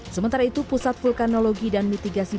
sementara itu pusat vulkanologi dan mitigasi